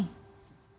indonesia kan rakyatnya